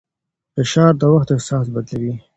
فشار د وخت احساس بدلوي.